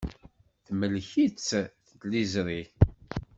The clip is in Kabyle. Temlek-itt tliẓri.